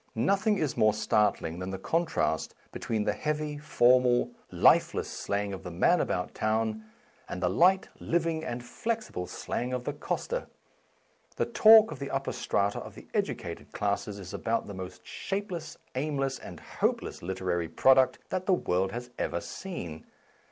Nothing is more startling than the contrast between the heavy, formal, lifeless slang of the man about town and the light, living, and flexible slang of the coster. The talk of the upper strata of the educated classes is about the most shapeless, aimless, and hopeless literary product that the world has ever seen.